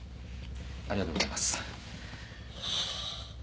ありがとうございます。